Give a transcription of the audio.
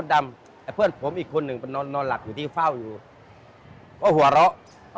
แล้วเขาบอกว่า